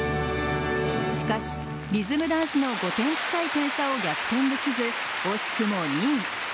しかし、リズムダンスの５点近い点差を逆転できず惜しくも２位。